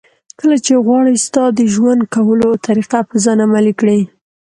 کله چې غواړي ستا د ژوند کولو طریقه په ځان عملي کړي.